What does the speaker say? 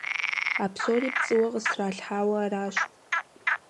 А псори пцӀыуэ къыстралъхьауэ аращ.